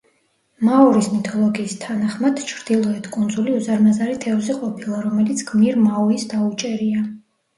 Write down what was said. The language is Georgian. მაორის მითოლოგიის თანახმად, ჩრდილოეთ კუნძული უზარმაზარი თევზი ყოფილა, რომელიც გმირ მაუის დაუჭერია.